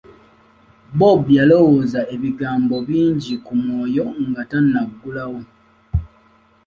Bob yalowooza ebigambo bingi ku mwoyo nga tannaggulawo.